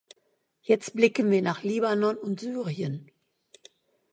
Jetzt blicken wir nach Libanon und Syrien.